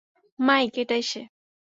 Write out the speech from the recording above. Mic, এটাই সে।